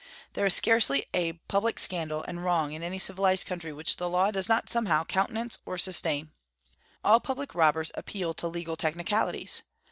There is scarcely a public scandal and wrong in any civilized country which the law does not somehow countenance or sustain. All public robbers appeal to legal technicalities.